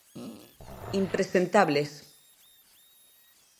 Impresentables.